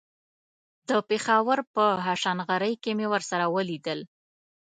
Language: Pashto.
د پېښور په هشنغرۍ کې مې ورسره وليدل.